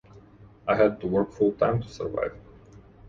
I had to work full time to survive.